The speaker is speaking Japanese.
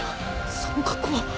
その格好は。